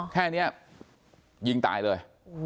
แค่นี้ยิงตายเลย